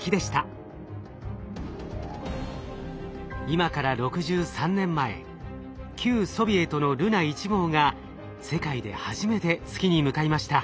今から６３年前旧ソビエトのルナ１号が世界で初めて月に向かいました。